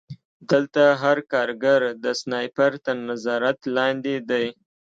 دلته هر کارګر د سنایپر تر نظارت لاندې دی